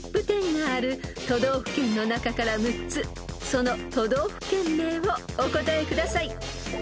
ＴＯＰ１０がある都道府県の中から６つその都道府県名をお答えください］